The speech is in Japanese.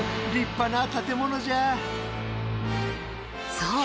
そう！